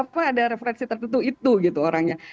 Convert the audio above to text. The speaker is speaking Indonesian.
apa ada referensi tertentu itu gitu orangnya